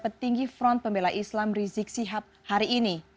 petinggi front pembelai islam rizik sibhab hari ini